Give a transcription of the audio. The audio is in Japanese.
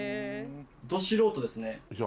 ド素人ですね。